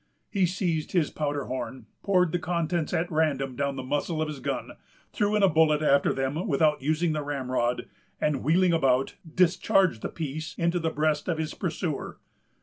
He seized his powder horn, poured the contents at random down the muzzle of his gun, threw in a bullet after them, without using the ramrod, and, wheeling about, discharged the piece into the breast of his pursuer.